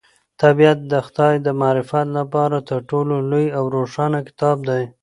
طبیعت د خدای د معرفت لپاره تر ټولو لوی او روښانه کتاب دی.